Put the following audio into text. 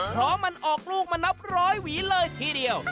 เพราะมันออกลูกมานับร้อยหวีเลยทีเดียว